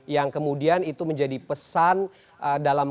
yang kemudian itu menjadi pesan dalam